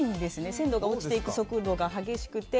鮮度が落ちていく速度が早くて